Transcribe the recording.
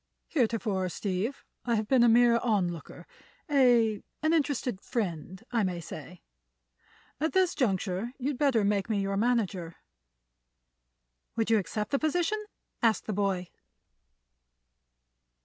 Heretofore, Steve, I have been a mere onlooker, a—an interested friend, I may say. At this juncture you'd better make me your manager." "Would you accept the position?" asked the boy.